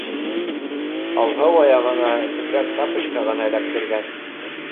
Алһыу аяғына сепрәк тапочка ғына эләктергән.